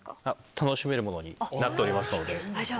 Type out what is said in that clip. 楽しめるものになっておりますのでぜひ。